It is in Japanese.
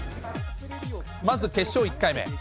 まず決勝１回目。